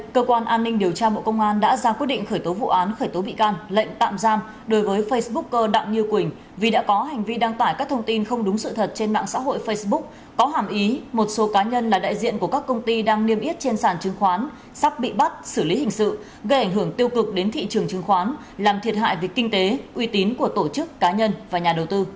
các bạn hãy đăng ký kênh để ủng hộ kênh của chúng mình nhé